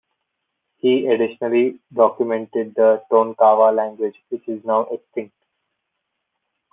He additionally documented the Tonkawa language, which is now extinct.